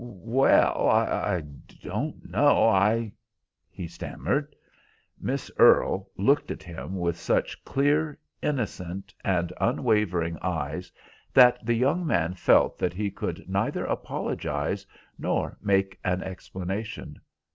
"Well, I don't know, I—" he stammered. Miss Earle looked at him with such clear, innocent, and unwavering eyes that the young man felt that he could neither apologise nor make an explanation.